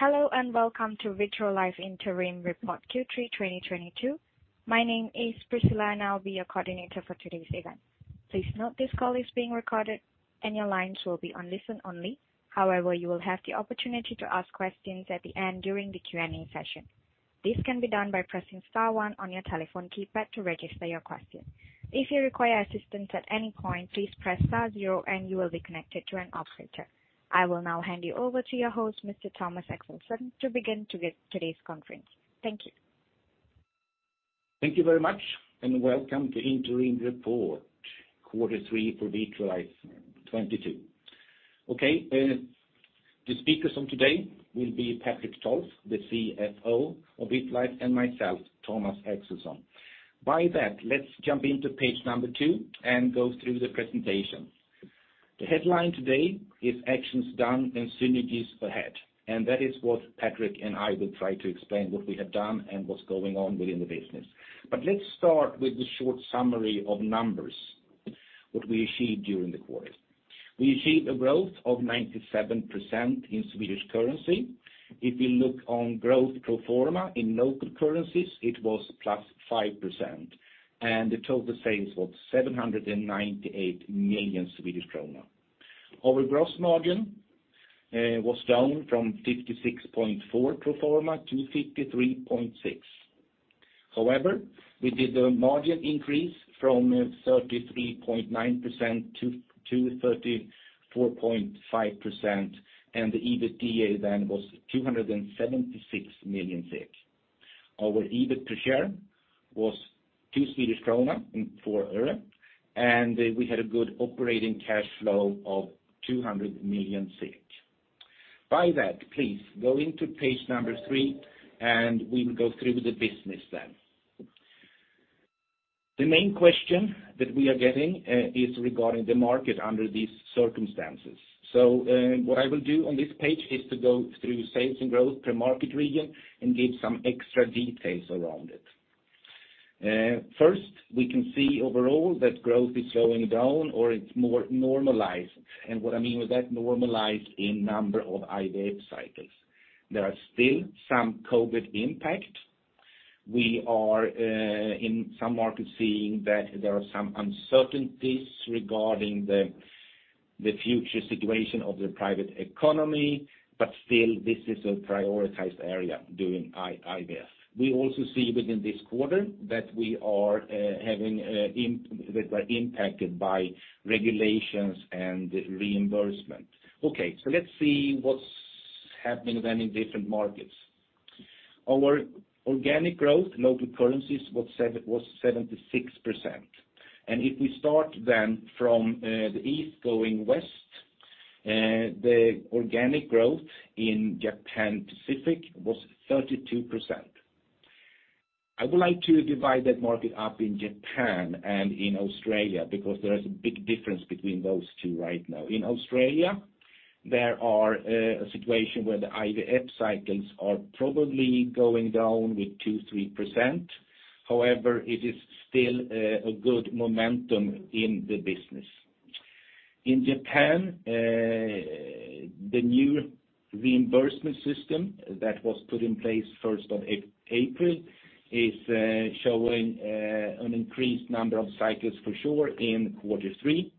Hello, and welcome to Vitrolife Interim Report Q3 2022. My name is Priscilla, and I'll be your coordinator for today's event. Please note this call is being recorded, and your lines will be on listen only. However, you will have the opportunity to ask questions at the end during the Q&A session. This can be done by pressing star one on your telephone keypad to register your question. If you require assistance at any point, please press star zero, and you will be connected to an operator. I will now hand you over to your host, Mr. Thomas Axelsson, to begin today's conference. Thank you. Thank you very much, and welcome to Interim Report Quarter Three for Vitrolife 2022. Okay, the speakers today will be Patrik Tolf, the CFO of Vitrolife, and myself, Thomas Axelsson. With that, let's jump into page two and go through the presentation. The headline today is actions done and synergies ahead, and that is what Patrik and I will try to explain what we have done and what's going on within the business. Let's start with the short summary of numbers, what we achieved during the quarter. We achieved a growth of 97% in SEK. If you look at growth pro forma in local currencies, it was 5%+, and the total sales was 798 million Swedish krona. Our gross margin was down from 56.4% pro forma to 53.6%. However, we did a margin increase from 33.9%-34.5%, and the EBITDA then was 276 million SEK. Our EBIT per share was SEK 2.04. We had a good operating cash flow of 200 million SEK. By that, please go into page three, and we will go through the business then. The main question that we are getting is regarding the market under these circumstances. What I will do on this page is to go through sales and growth per market region and give some extra details around it. First, we can see overall that growth is slowing down or it's more normalized. What I mean with that normalized in number of IVF cycles. There are still some COVID-19 impact. We are in some markets seeing that there are some uncertainties regarding the future situation of the private economy, but still this is a prioritized area during IVF. We also see within this quarter that we are having that we're impacted by regulations and reimbursement. Okay, let's see what's happening then in different markets. Our organic growth, local currencies was 76%. If we start then from the east going west, the organic growth in Japan Pacific was 32%. I would like to divide that market up in Japan and in Australia because there is a big difference between those two right now. In Australia, there are a situation where the IVF cycles are probably going down with 2%-3%. However, it is still a good momentum in the business. In Japan, the new reimbursement system that was put in place first on April is showing an increased number of cycles for sure in quarter three.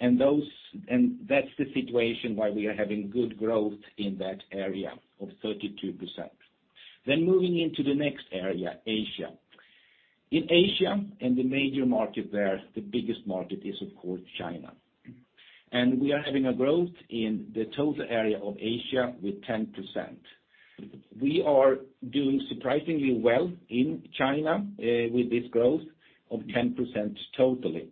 That's the situation why we are having good growth in that area of 32%. Moving into the next area, Asia. In Asia, in the major market there, the biggest market is, of course, China. We are having a growth in the total area of Asia with 10%. We are doing surprisingly well in China with this growth of 10% totally.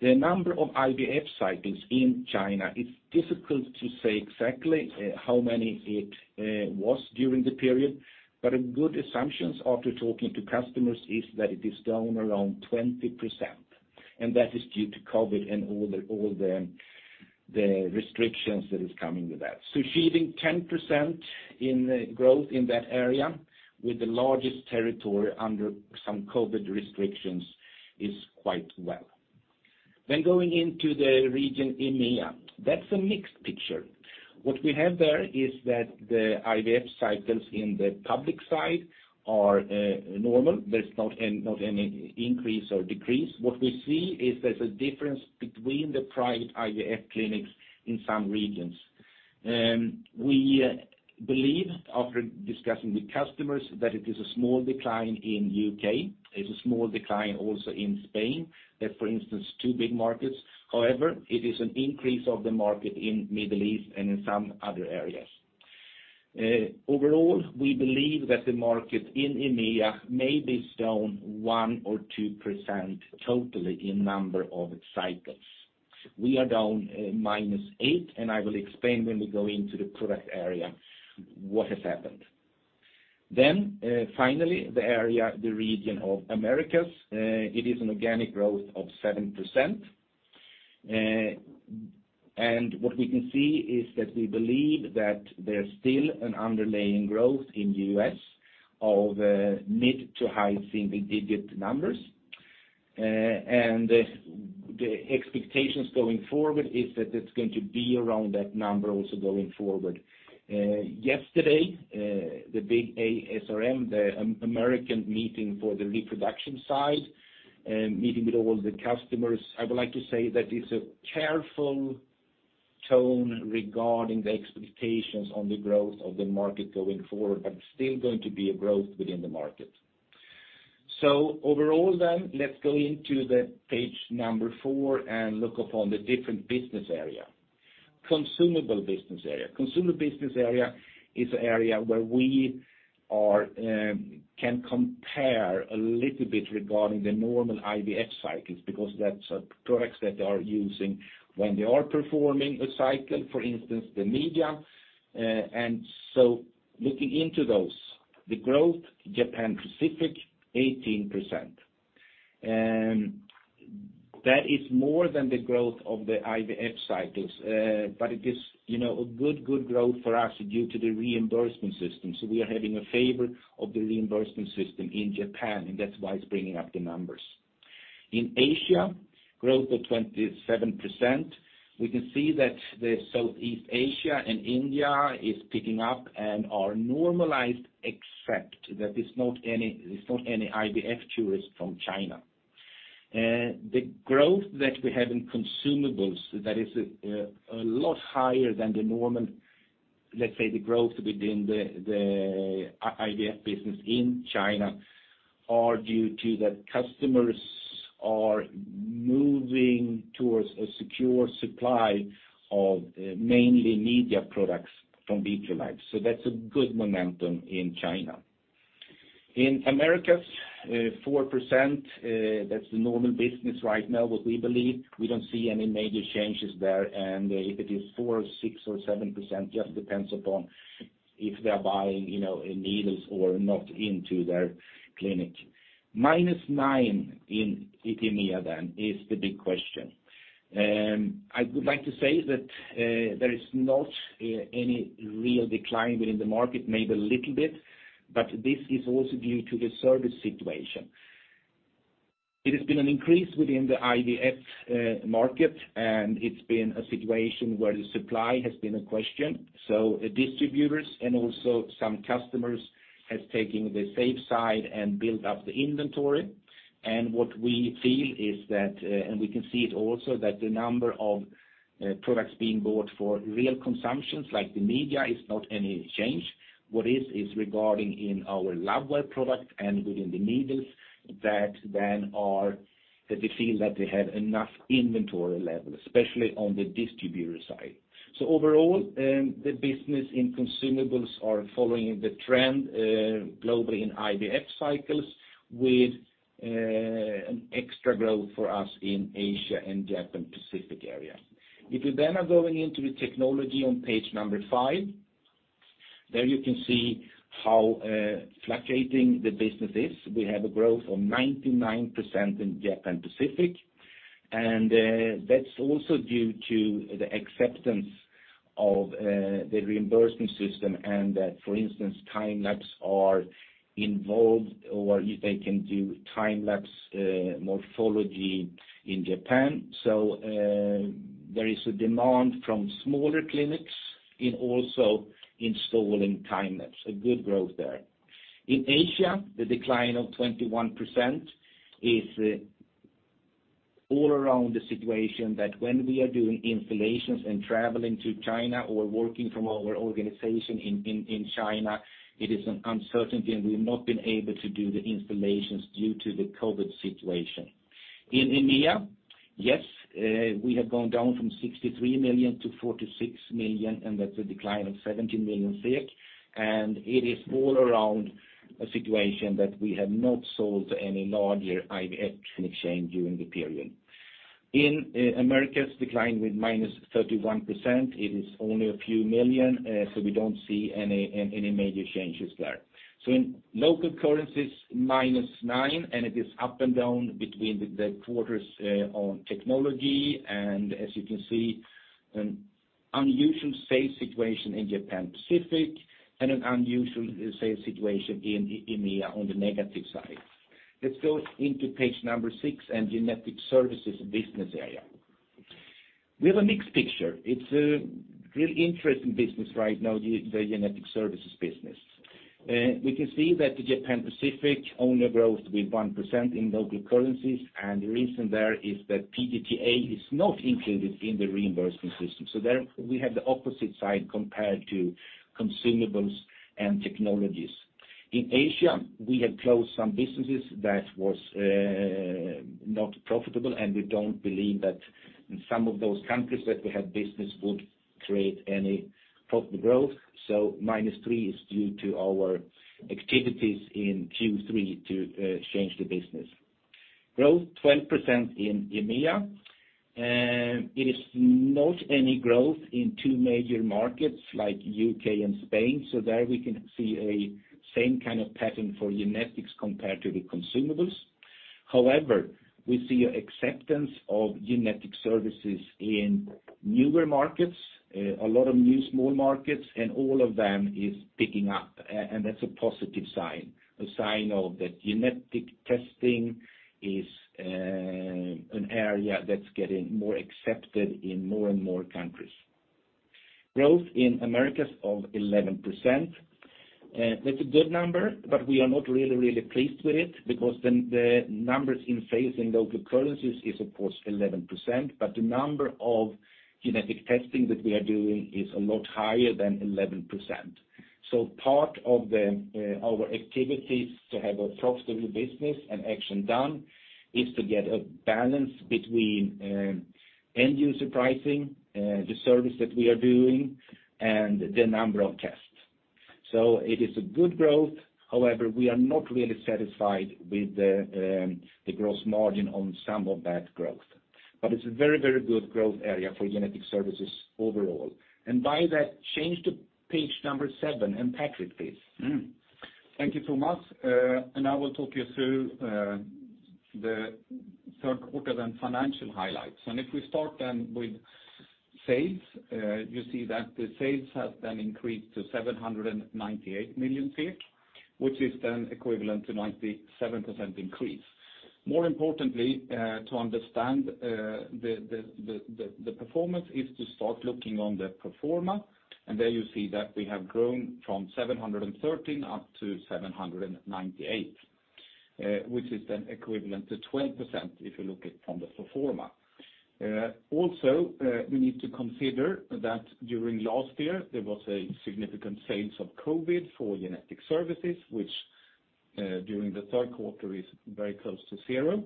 The number of IVF cycles in China, it's difficult to say exactly how many it was during the period. A good assumption after talking to customers is that it is down around 20%, and that is due to COVID and all the restrictions that is coming with that. Achieving 10% in growth in that area with the largest territory under some COVID restrictions is quite well. Going into the region EMEA. That's a mixed picture. What we have there is that the IVF cycles in the public side are normal. There's not any increase or decrease. What we see is there's a difference between the private IVF clinics in some regions. We believe, after discussing with customers, that it is a small decline in the U.K.. It's a small decline also in Spain. There are, for instance, two big markets. However, it is an increase of the market in the Middle East and in some other areas. Overall, we believe that the market in EMEA may be down 1% or 2% totally in number of cycles. We are down -8%, and I will explain when we go into the product area what has happened. Finally, the area, the region of Americas, it is an organic growth of 7%. What we can see is that we believe that there's still an underlying growth in the U.S. of mid- to high single-digit numbers. The expectations going forward is that it's going to be around that number also going forward. Yesterday, the big ASRM, the American meeting for the reproductive side, meeting with all the customers, I would like to say that it's a careful tone regarding the expectations on the growth of the market going forward, but still going to be a growth within the market. Overall, let's go into the page number four and look upon the different business area. Consumables business area. Consumables business area is an area where we can compare a little bit regarding the normal IVF cycles, because that's products that they are using when they are performing a cycle, for instance, the media. Looking into those, the growth, Japan Pacific, 18%. That is more than the growth of the IVF cycles. It is, you know, a good growth for us due to the reimbursement system. We are having a favor of the reimbursement system in Japan, and that's why it's bringing up the numbers. In Asia, growth of 27%, we can see that Southeast Asia and India is picking up and are normalized, except that it's not any IVF tourists from China. The growth that we have in Consumables, that is a lot higher than the normal, let's say, the growth within the IVF business in China are due to the customers are moving towards a secure supply of mainly media products from Vitrolife. That's a good momentum in China. In Americas, 4%, that's the normal business right now, what we believe. We don't see any major changes there, and if it is 4% or 6% or 7%, just depends upon if they're buying, you know, needles or not into their clinic. -9% in EMEA then is the big question. I would like to say that there is not any real decline within the market, maybe a little bit, but this is also due to the service situation. It has been an increase within the IVF market, and it's been a situation where the supply has been a question. Distributors and also some customers has taken the safe side and built up the inventory. What we feel is that, and we can see it also, that the number of products being bought for real consumptions, like the media, is not any change. This is regarding our labware products and within the needles that they feel that they have enough inventory levels, especially on the distributor side. Overall, the business in Consumables are following the trend globally in IVF cycles with an extra growth for us in Asia and Japan Pacific area. If we then are going into the technology on page five, there you can see how fluctuating the business is. We have a growth of 99% in Japan Pacific, and that's also due to the acceptance of the reimbursement system and that, for instance, time-lapse are involved or if they can do time-lapse morphology in Japan. There is a demand from smaller clinics and also installing time-lapse. A good growth there. In Asia, the decline of 21% is all around the situation that when we are doing installations and traveling to China or working from our organization in China, it is an uncertainty, and we've not been able to do the installations due to the COVID situation. In EMEA, we have gone down from 63 million to 46 million, and that's a decline of 17 million, and it is all around a situation that we have not sold any larger IVF machine during the period. In Americas decline with -31%, it is only a few million SEK, so we don't see any major changes there. In local currencies, -9%, and it is up and down between the quarters on technology, and as you can see, an unusual sales situation in Japan Pacific and an unusual sales situation in EMEA on the negative side. Let's go into page 6 and Genetic Services business area. We have a mixed picture. It's a really interesting business right now, the Genetic Services business. We can see that the Japan Pacific organic growth with 1% in local currencies, and the reason there is that PGT-A is not included in the reimbursement system. There we have the opposite side compared to Consumables and Technologies. In Asia, we have closed some businesses that was not profitable, and we don't believe that in some of those countries that we have business would create any profit growth. So, -3 is due to our activities in Q3 to change the business. Growth 12% in EMEA. It is not any growth in two major markets like U.K. and Spain. There we can see a same kind of pattern for genetics compared to the Consumables. However, we see acceptance of genetic services in newer markets, a lot of new small markets, and all of them is picking up, and that's a positive sign. A sign of that genetic services is an area that's getting more accepted in more and more countries. Growth in Americas of 11%. That's a good number, but we are not really, really pleased with it because then the numbers in local currencies is of course 11%, but the number of genetic testing that we are doing is a lot higher than 11%. Part of our activities to have a profitable business and action done is to get a balance between end user pricing, the service that we are doing and the number of tests. It is a good growth. However, we are not really satisfied with the growth margin on some of that growth. It's a very, very good growth area for Genetic Services overall. By that, change to page number seven. Patrik, please. Thank you, Thomas. I will talk you through the third quarter financial highlights. If we start with sales, you see that the sales have increased to 798 million, which is equivalent to 97% increase. More importantly, to understand, the performance is to start looking on the pro forma, and there you see that we have grown from 713 up to 798, which is equivalent to 20% if you look at from the pro forma. Also, we need to consider that during last year, there was significant sales of COVID for genetic services, which during the third quarter is very close to zero.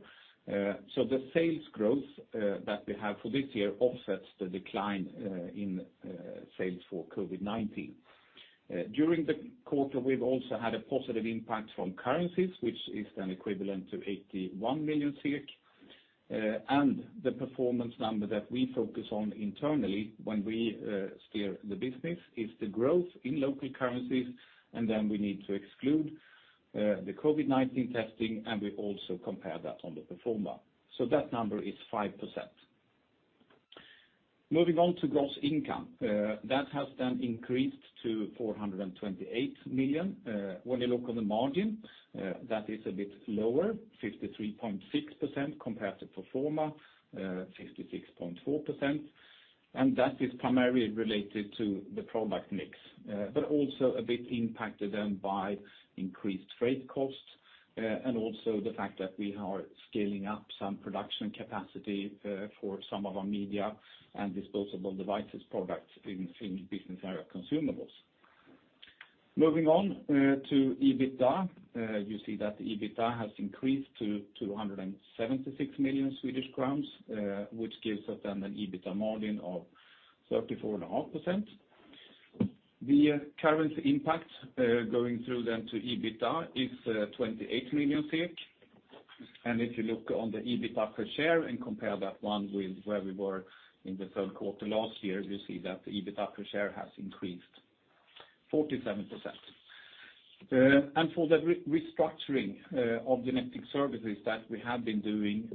The sales growth that we have for this year offsets the decline in sales for COVID-19. During the quarter, we've also had a positive impact from currencies, which is then equivalent to 81 million. The performance number that we focus on internally when we steer the business is the growth in local currencies, and then we need to exclude the COVID-19 testing, and we also compare that on the pro forma. That number is 5%. Moving on to gross income. That has then increased to 428 million. When you look at the margin, that is a bit lower, 53.6% compared to pro forma 56.4%. That is primarily related to the product mix, but also a bit impacted then by increased freight costs, and also the fact that we are scaling up some production capacity, for some of our media and disposable devices products in business area Consumables. Moving on, to EBITDA, you see that EBITDA has increased to 276 million Swedish crowns, which gives us then an EBITDA margin of 34.5%. The currency impact, going through then to EBITDA is, 28 million. If you look on the EBITDA per share and compare that one with where we were in the third quarter last year, you see that the EBITDA per share has increased 47%. For the restructuring of Genetic Services that we have been doing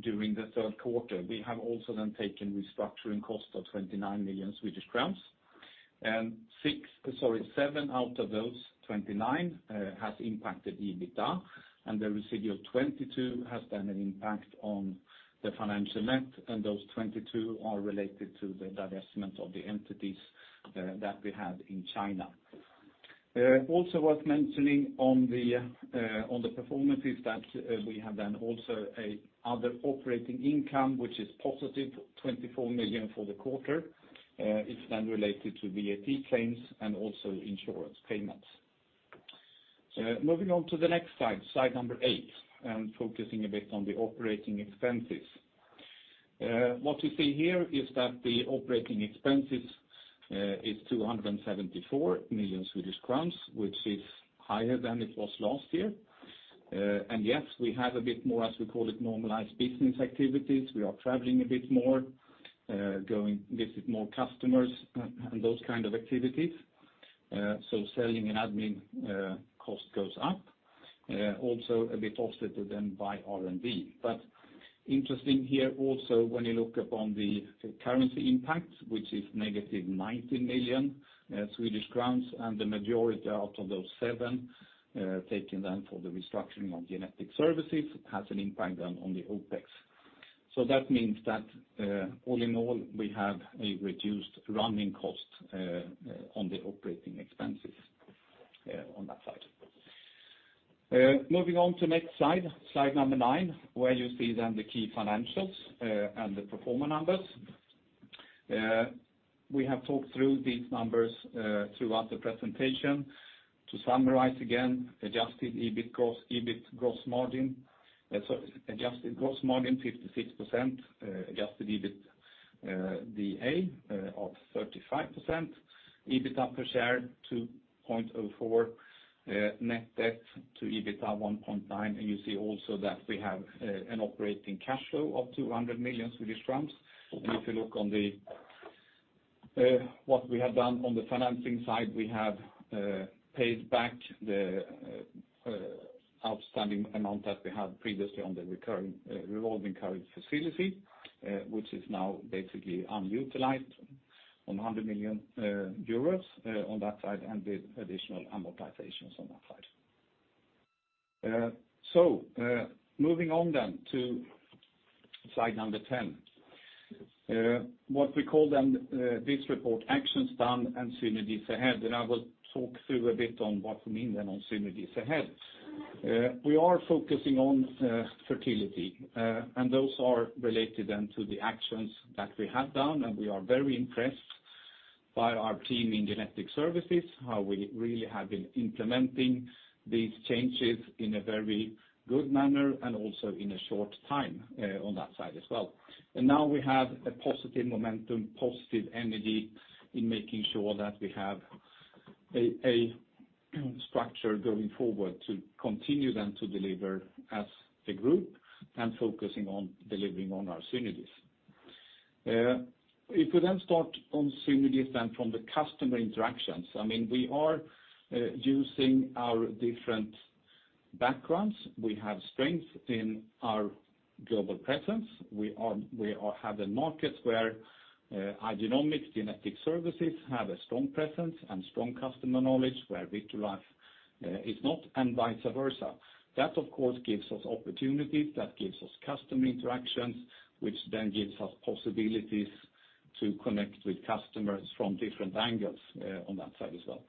during the third quarter, we have also then taken restructuring costs of 29 million Swedish crowns. Seven out of those 29 has impacted EBITDA, and the residual 22 has then an impact on the financial net, and those 22 are related to the divestment of the entities that we had in China. Also worth mentioning on the performance is that we have then also other operating income, which is positive 24 million for the quarter. It's then related to VAT claims and also insurance payments. Moving on to the next slide number eighth, focusing a bit on the operating expenses. What you see here is that the operating expenses is 274 million Swedish crowns, which is higher than it was last year. Yes, we have a bit more, as we call it, normalized business activities. We are traveling a bit more, going to visit more customers and those kind of activities. Selling and admin cost goes up, also a bit offset to them by R&D. Interesting here also, when you look upon the currency impact, which is negative 90 million Swedish crowns, and the majority out of those 70 taken then for the restructuring of Genetic Services, has an impact then on the OPEX. That means that, all in all, we have a reduced running cost on the operating expenses on that side. Moving on to next slide number nine, where you see then the key financials and the pro forma numbers. We have talked through these numbers throughout the presentation. To summarize again, adjusted gross margin 56%, adjusted EBITDA of 35%, EBITDA per share 2.04, net debt to EBITDA 1.9. You see also that we have an operating cash flow of SEK 200 million. If you look on what we have done on the financing side, we have paid back the outstanding amount that we had previously on the revolving credit facility, which is now basically unutilized on 100 million euros on that side and the additional amortizations on that side. Moving on to slide number 10. What we call this report, actions done and synergies ahead. I will talk through a bit on what we mean on synergies ahead. We are focusing on fertility. Those are related to the actions that we have done, and we are very impressed by our team in Genetic Services, how we really have been implementing these changes in a very good manner and also in a short time on that side as well. Now we have a positive momentum, positive energy in making sure that we have a structure going forward to continue to deliver as a group and focusing on delivering on our synergies. If we start on synergies from the customer interactions, I mean, we are using our different backgrounds. We have strength in our global presence. We have the markets where Igenomix genetic services have a strong presence and strong customer knowledge where Vitrolife is not, and vice versa. That, of course, gives us opportunities, that gives us customer interactions, which then gives us possibilities to connect with customers from different angles, on that side as well.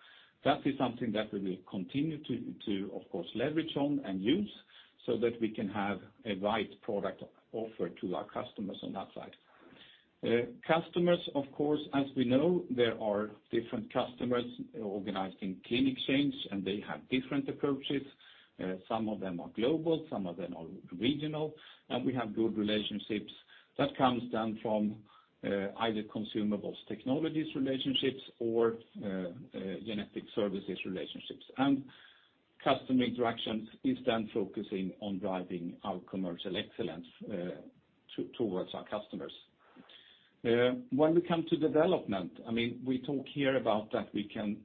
That is something that we will continue to, of course, leverage on and use so that we can have a right product offer to our customers on that side. Customers, of course, as we know, there are different customers organized in clinic chains, and they have different approaches. Some of them are global, some of them are regional, and we have good relationships. That comes then from either Consumables, Technologies relationships or Genetic Services relationships. Customer interactions is then focusing on driving our commercial excellence toward our customers. When we come to development, I mean, we talk here about that we can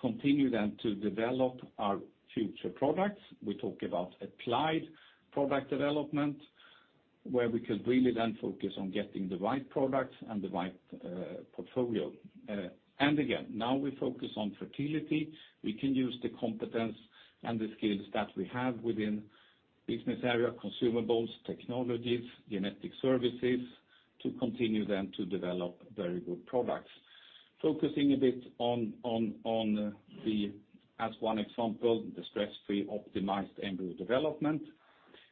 continue then to develop our future products. We talk about applied product development, where we can really then focus on getting the right products and the right portfolio. And again, now we focus on fertility. We can use the competence and the skills that we have within business area Consumables, Technologies, Genetic Services to continue then to develop very good products. Focusing a bit on the, as one example, the stress-free optimized embryo development,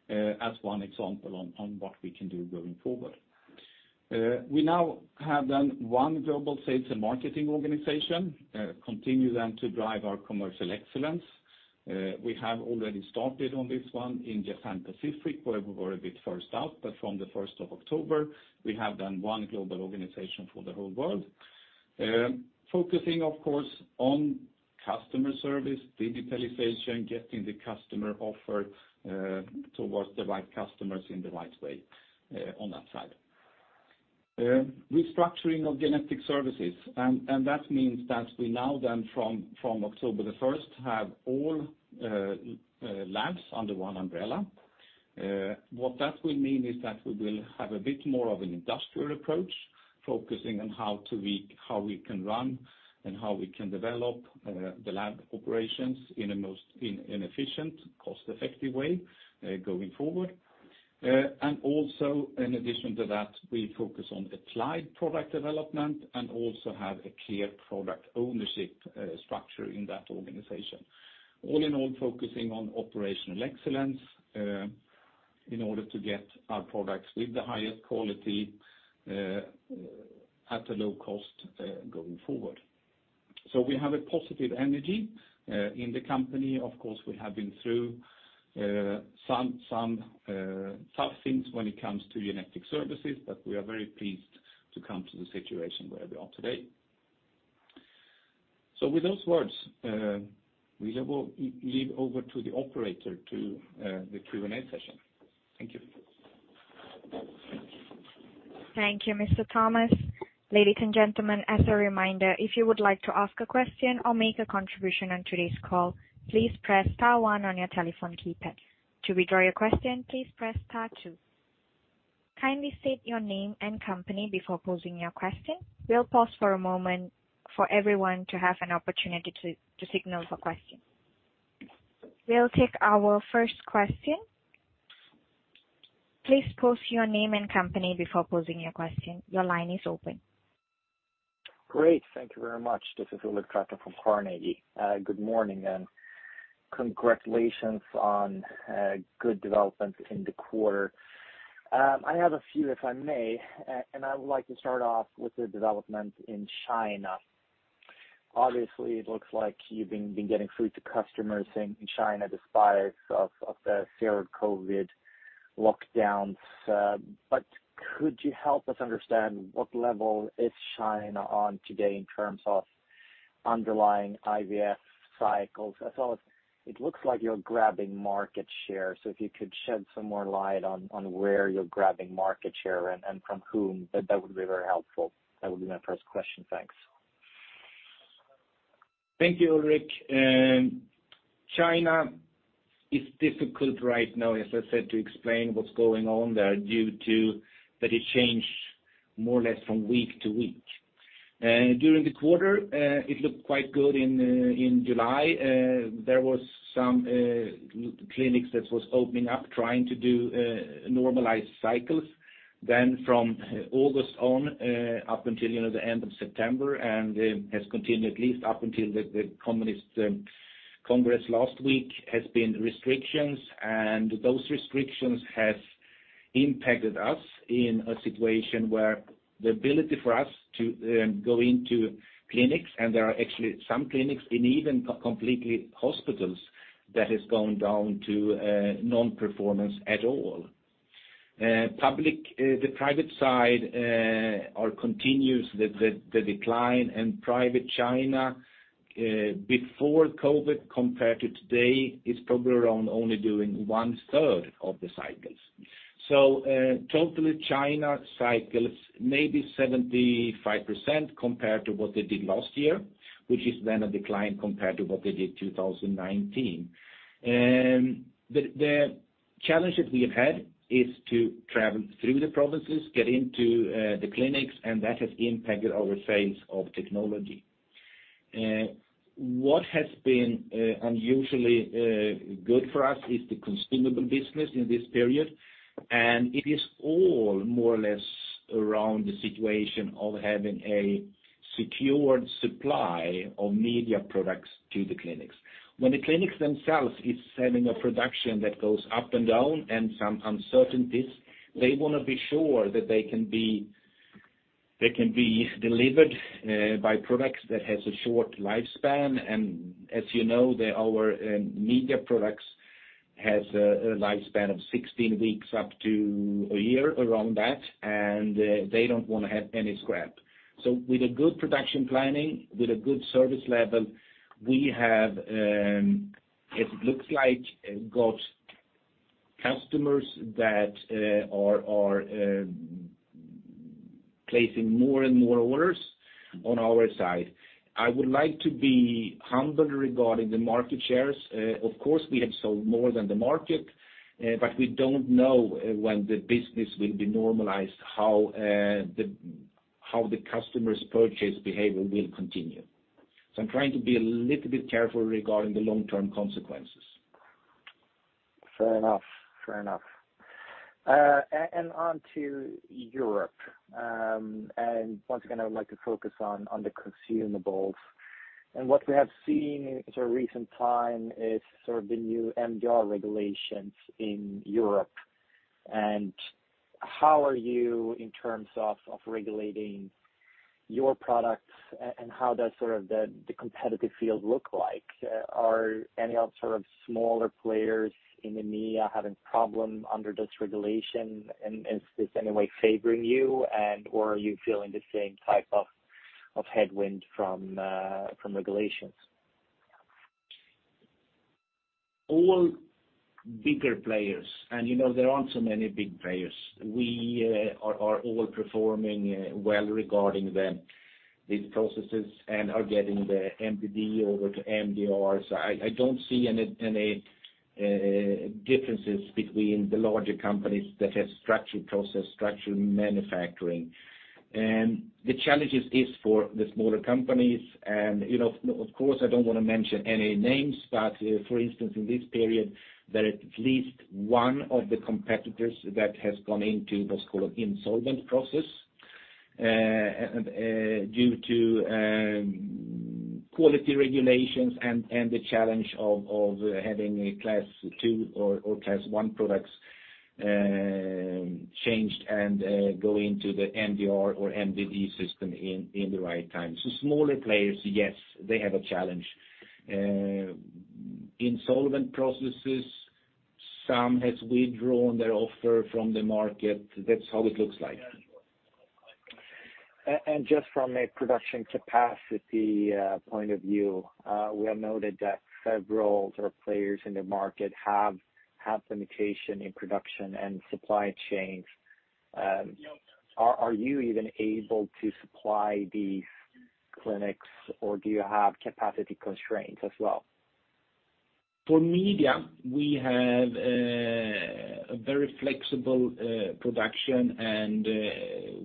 as one example on what we can do going forward. We now have then one global sales and marketing organization, continue then to drive our commercial excellence. We have already started on this one in Japan Pacific, where we were a bit first out, but from the first of October, we have then one global organization for the whole world. Focusing, of course, on customer service, digitalization, getting the customer offer towards the right customers in the right way, on that side. Restructuring of Genetic Services. That means that we now then from October the first have all labs under one umbrella. What that will mean is that we will have a bit more of an industrial approach, focusing on how we can run and how we can develop the lab operations in an efficient, cost-effective way, going forward. Also in addition to that, we focus on applied product development and also have a clear product ownership structure in that organization. All in all, focusing on operational excellence in order to get our products with the highest quality at a low cost going forward. We have a positive energy in the company. Of course, we have been through some tough things when it comes to Genetic Services, but we are very pleased to come to the situation where we are today. With those words, we will hand over to the operator for the Q&A session. Thank you. Thank you, Mr. Thomas. Ladies and gentlemen, as a reminder, if you would like to ask a question or make a contribution on today's call, please press star one on your telephone keypad. To withdraw your question, please press star two. Kindly state your name and company before posing your question. We'll pause for a moment for everyone to have an opportunity to signal for questions. We'll take our first question. Please pose your name and company before posing your question. Your line is open. Great. Thank you very much. This is Ulrik Trattner from Carnegie. Good morning, and congratulations on good developments in the quarter. I have a few, if I may, and I would like to start off with the development in China. Obviously, it looks like you've been getting through to customers in China despite of the feared COVID lockdowns. Could you help us understand what level is China on today in terms of underlying IVF cycles? As well as it looks like you're grabbing market share. If you could shed some more light on where you're grabbing market share and from whom, that would be very helpful. That would be my first question. Thanks. Thank you, Ulrik. China is difficult right now, as I said, to explain what's going on there, but it changed more or less from week to week. During the quarter, it looked quite good in July. There was some clinics that was opening up trying to do normalized cycles. Then from August on, up until, you know, the end of September, and it has continued at least up until the Communist Congress last week, has been restrictions. Those restrictions have impacted us in a situation where the ability for us to go into clinics, and there are actually some clinics in even completely hospitals that has gone down to non-performance at all. The public and the private side continues the decline in private China before COVID compared to today is probably around only doing one third of the cycles. Total China cycles maybe 75% compared to what they did last year, which is then a decline compared to what they did 2019. The challenge that we have had is to travel through the provinces, get into the clinics, and that has impacted our sales of Technologies. What has been unusually good for us is the Consumables business in this period. It is all more or less around the situation of having a secured supply of media products to the clinics. When the clinics themselves is having a production that goes up and down and some uncertainties, they wanna be sure that they can be delivered by products that has a short lifespan. As you know, our media products has a lifespan of 16 weeks up to a year around that, and they don't wanna have any scrap. With a good production planning, with a good service level, we have it looks like got customers that are placing more and more orders on our side. I would like to be humble regarding the market shares. Of course, we have sold more than the market, but we don't know when the business will be normalized, how the customers' purchase behavior will continue. I'm trying to be a little bit careful regarding the long-term consequences. Fair enough. And onto Europe, and once again, I would like to focus on the Consumables. What we have seen in sort of recent time is sort of the new MDR regulations in Europe. How are you in terms of regulating your products, and how does sort of the competitive field look like? Are any other sort of smaller players in the media having problem under this regulation, and is this any way favoring you and, or are you feeling the same type of headwind from regulations? All bigger players, and you know there aren't so many big players. We are all performing well regarding the processes and are getting the MDD over to MDR. I don't see any differences between the larger companies that have structured process, structured manufacturing. The challenges is for the smaller companies. You know, of course, I don't wanna mention any names, but for instance, in this period there is at least one of the competitors that has gone into what's called an insolvency process due to quality regulations and the challenge of having a class two or class one products changed and go into the MDR or MDD system in the right time. Smaller players, yes, they have a challenge. Insolvency processes, some has withdrawn their offer from the market. That's how it looks like. Just from a production capacity point of view, we have noted that several sort of players in the market have limitation in production and supply chains. Are you even able to supply these clinics, or do you have capacity constraints as well? For media, we have a very flexible production, and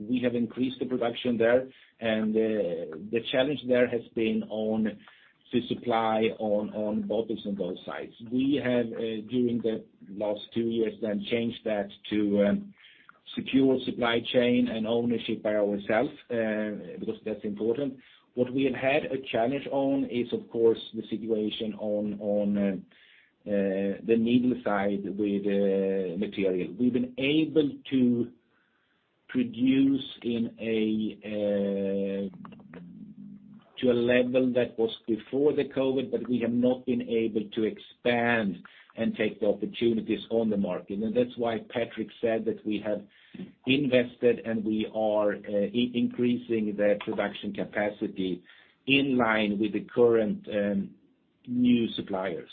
we have increased the production there. The challenge there has been on the supply on bottles on both sides. We have during the last two years then changed that to secure supply chain and ownership by ourselves because that's important. What we have had a challenge on is, of course, the situation on the needle side with material. We've been able to produce to a level that was before the COVID, but we have not been able to expand and take the opportunities on the market. That's why Patrik said that we have invested, and we are increasing the production capacity in line with the current new suppliers.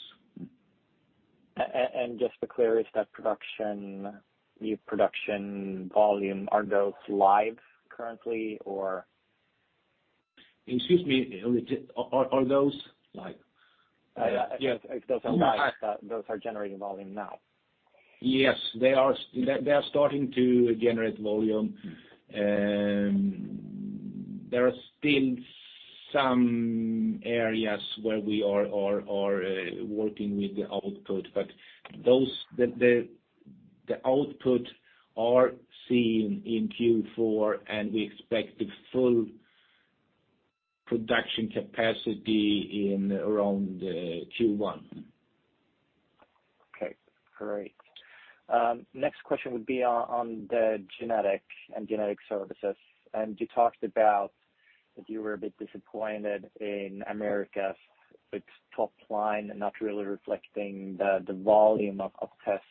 Just to clarify, is that production, new production volume, are those live currently, or? Excuse me, are those live? Those are live. Those are generating volume now. Yes, they are starting to generate volume. There are still some areas where we are working with the output. The output are seen in Q4, and we expect the full production capacity in around Q1. Okay, great. Next question would be on the Genetic Services. You talked about that you were a bit disappointed in Americas, its top line not really reflecting the volume of tests.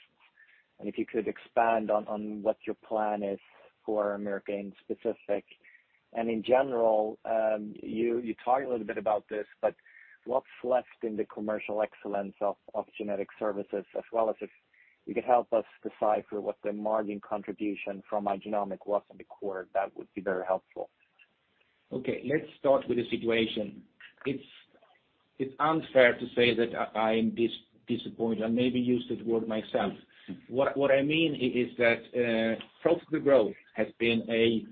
If you could expand on what your plan is for Americas in specific. In general, you talked a little bit about this, but what's left in the commercial excellence of Genetic Services, as well as if you could help us decipher what the margin contribution from Igenomix was in the quarter, that would be very helpful. Okay, let's start with the situation. It's unfair to say that I'm disappointed. I maybe used the word myself. What I mean is that profitable growth has been a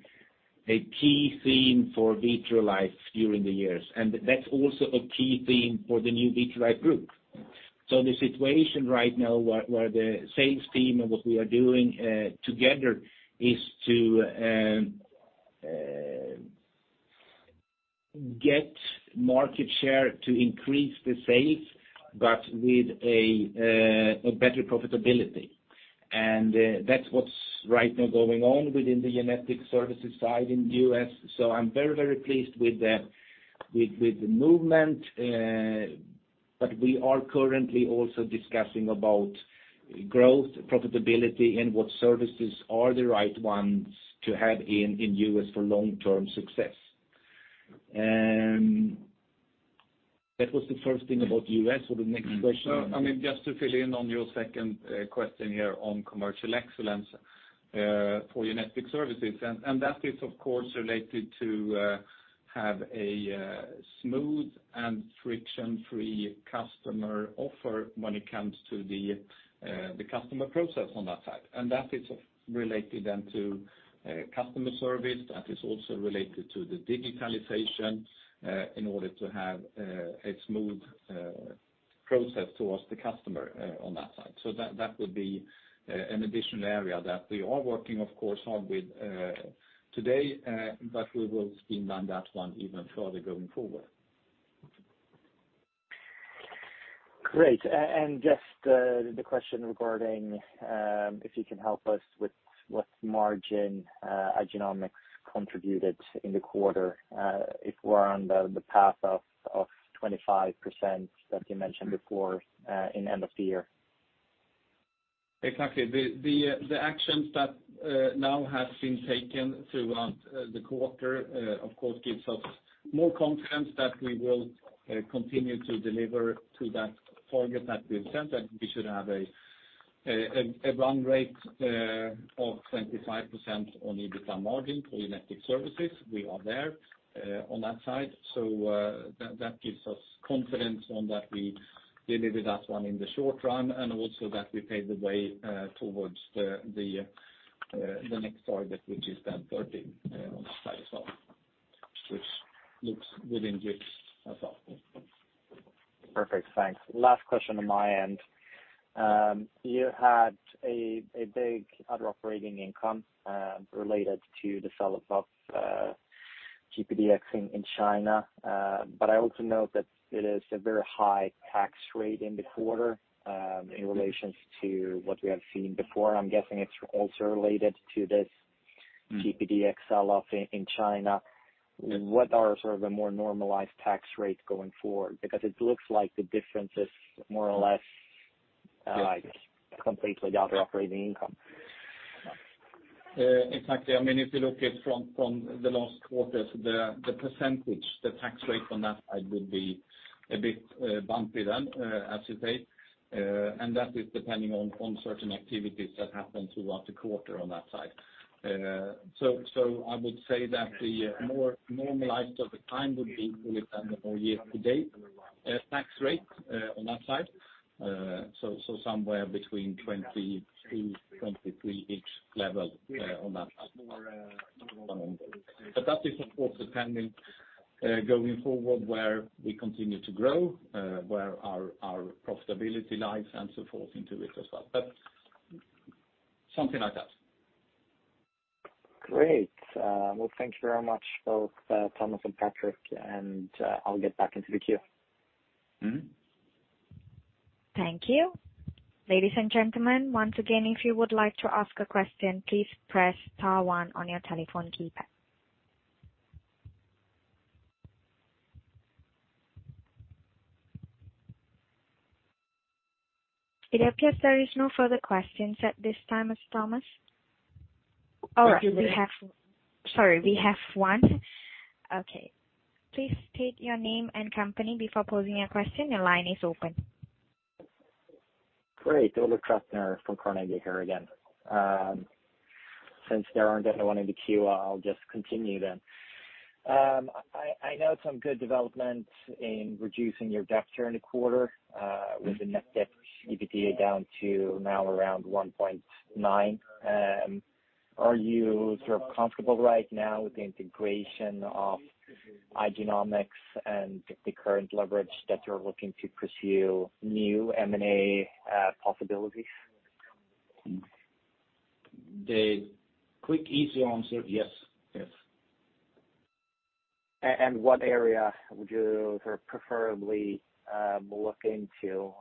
key theme for Vitrolife during the years, and that's also a key theme for the new Vitrolife Group. The situation right now, where the sales team and what we are doing together is to get market share to increase the sales, but with a better profitability. That's what's right now going on within the Genetic Services side in the U.S.. I'm very pleased with the movement. We are currently also discussing about growth, profitability, and what services are the right ones to have in US for long-term success. That was the first thing about U.S.. The next question. I mean, just to fill in on your second question here on commercial excellence for Genetic Services. That is, of course, related to have a smooth and friction-free customer offer when it comes to the customer process on that side. That is related then to customer service. That is also related to the digitalization in order to have a smooth process towards the customer on that side. That would be an additional area that we are working, of course, on with today, but we will speed on that one even further going forward. Great. Just the question regarding if you can help us with what margin Igenomix contributed in the quarter, if we're on the path of 25% that you mentioned before, at the end of the year? Exactly. The actions that now have been taken throughout the quarter, of course, gives us more confidence that we will continue to deliver to that target that we have set, that we should have a run rate of 25% on EBITDA margin for Genetic Services. We are there on that side. That gives us confidence that we delivered that one in the short run, and also that we paved the way towards the next target, which is then 13% on the side as well, which looks within reach as well. Perfect. Thanks. Last question on my end. You had a big other operating income related to the sell-off of GPDX in China. I also note that it is a very high tax rate in the quarter in relation to what we have seen before. I'm guessing it's also related to this GPDX sell-off in China. What are sort of a more normalized tax rate going forward? It looks like the difference is more or less completely the other operating income. Exactly. I mean, if you look at from the last quarters, the percentage, the tax rate on that side would be a bit bumpy then, as you say. That is depending on certain activities that happen throughout the quarter on that side. I would say that the more normalized of the kind would be to look at the more year-to-date tax rate on that side. Somewhere between 22%-23% level on that front. That is, of course, depending going forward, where we continue to grow, where our profitability lies and so forth into it as well. Something like that. Great. Well, thank you very much, both, Thomas and Patrik, and, I'll get back into the queue. Mm-hmm. Thank you. Ladies and gentlemen, once again, if you would like to ask a question, please press star one on your telephone keypad. It appears there is no further questions at this time, Thomas. Oh, we have one. Okay. Please state your name and company before posing your question. Your line is open. Great. Ulrik Trattner from Carnegie here again. Since there aren't anyone in the queue, I'll just continue then. I know some good developments in reducing your debt during the quarter, with the net debt EBITDA down to now around 1.9. Are you sort of comfortable right now with the integration of Igenomix and the current leverage that you're looking to pursue new M&A possibilities? The quick easy answer, yes. Yes. What area would you sort of preferably look into?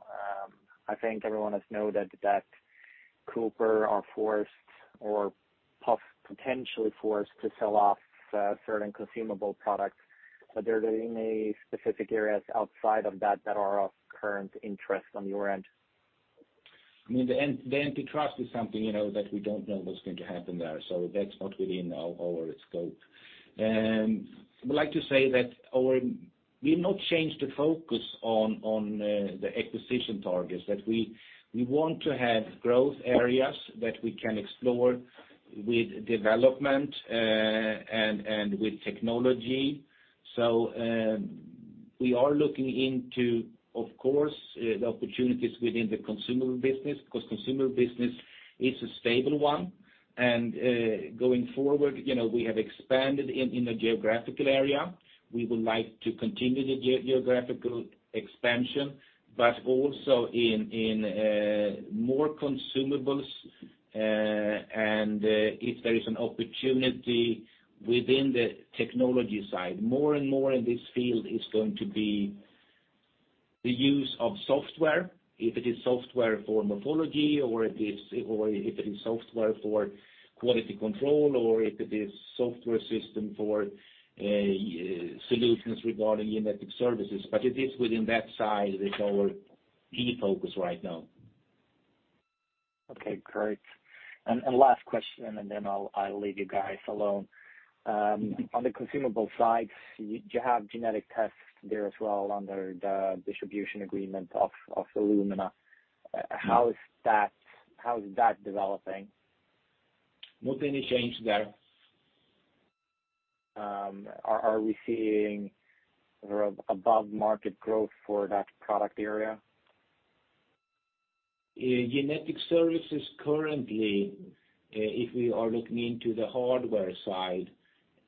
I think everyone has noted that CooperSurgical are forced or potentially forced to sell off certain consumable products. Are there any specific areas outside of that that are of current interest on your end? I mean, the antitrust is something, you know, that we don't know what's going to happen there, so that's not within our scope. I would like to say that we've not changed the focus on the acquisition targets, that we want to have growth areas that we can explore with development and with technology. We are looking into, of course, the opportunities within the Consumables business, because Consumables business is a stable one. Going forward, you know, we have expanded in a geographical area. We would like to continue the geographical expansion, but also in more Consumables. If there is an opportunity within the technology side, more and more in this field is going to be the use of software, if it is software for morphology or if it's software for quality control or if it is software system for solutions regarding Genetic Services. It is within that side, our key focus right now. Okay. Great. Last question and then I'll leave you guys alone. On the Consumables side, you have genetic tests there as well under the distribution agreement of Illumina. How is that developing? Not any change there. Are we seeing sort of above-market growth for that product area? Genetic Services currently, if we are looking into the hardware side,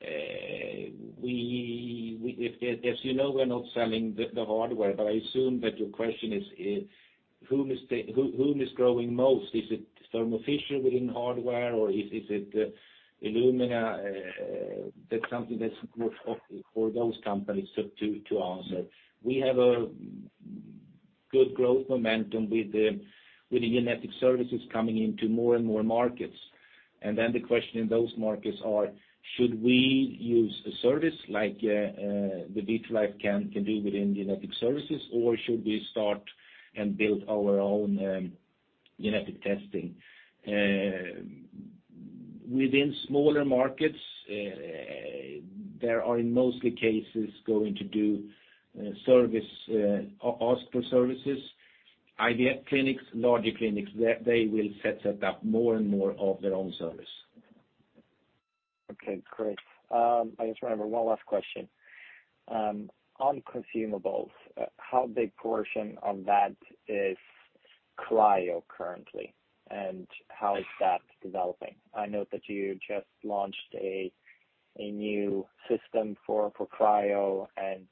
as you know, we're not selling the hardware, but I assume that your question is who is growing most. Is it Thermo Fisher within hardware, or is it Illumina. That's something that's more for those companies to answer. We have a good growth momentum with the Genetic Services coming into more and more markets. The question in those markets are, should we use a service like the ES-D2 can do within Genetic Services, or should we start and build our own genetic testing. Within smaller markets, there are in most cases going to do service, hospital services, IVF clinics, larger clinics, they will set up more and more of their own service. Okay, great. I just remember one last question. On Consumables, how big portion of that is cryopreservation currently, and how is that developing? I know that you just launched a new system for cryopreservation, and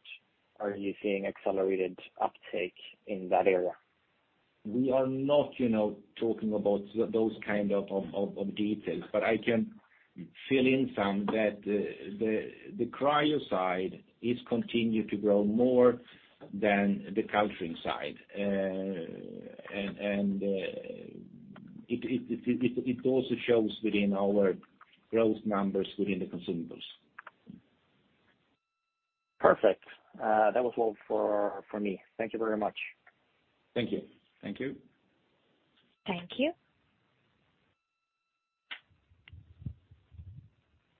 are you seeing accelerated uptake in that area? We are not, you know, talking about those kind of details, but I can fill in some that the cryopreservation side is continued to grow more than the culturing side. It also shows within our growth numbers within the Consumables. Perfect. That was all for me. Thank you very much. Thank you. Thank you. Thank you.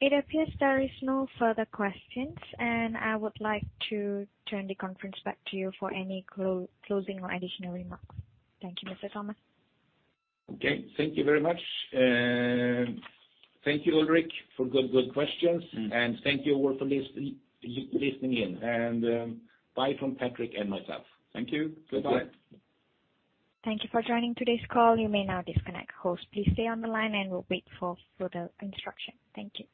It appears there is no further questions, and I would like to turn the call back to you for any closing or additional remarks. Thank you, Mr. Thomas Axelsson. Okay. Thank you very much. Thank you, Ulrik, for good questions. Mm. Thank you all for listening in. Bye from Patrik and myself. Thank you. Goodbye. Bye. Thank you for joining today's call. You may now disconnect. Host, please stay on the line and we'll wait for further instruction. Thank you.